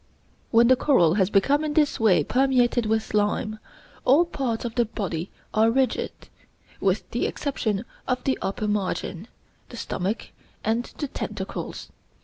When the coral has become in this way permeated with lime, all parts of the body are rigid, with the exception of the upper margin, the stomach, and the tentacles.